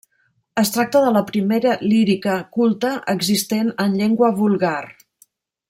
Es tracta de la primera lírica culta existent en llengua vulgar.